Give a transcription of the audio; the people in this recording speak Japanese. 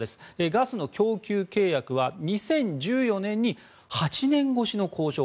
ガスの供給契約は２０１４年に８年越しの交渉。